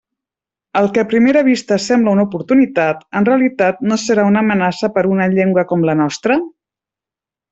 El que a primera vista sembla una oportunitat, en realitat no serà una amenaça per una llengua com la nostra?